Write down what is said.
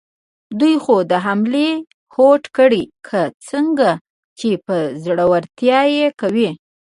دوی خو د حملې هوډ کړی، که څنګه، چې په زړورتیا یې کوي؟